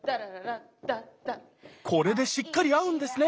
これでしっかり合うんですね！